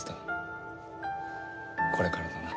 これからだな。